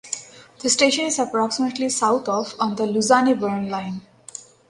The station is approximately south of on the Lausanne–Bern line.